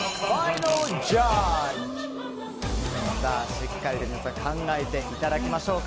しっかりと皆さん考えていただきましょうか。